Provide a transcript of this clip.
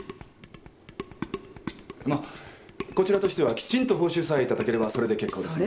まっこちらとしてはきちんと報酬さえ頂ければそれで結構ですので。